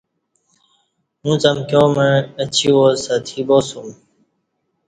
اُݩڅ امکیاں مع اچی واس اتکی باسُوم